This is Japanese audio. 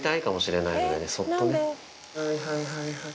はいはいはいはい。